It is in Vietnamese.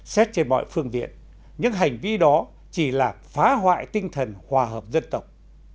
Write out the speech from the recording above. xét trên mọi phương viện những hành vi đó chỉ là phá hoại tinh thần hòa hợp dân tộc